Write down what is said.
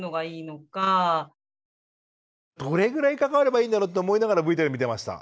どれぐらい関わればいいんだろうって思いながらＶＴＲ見てました。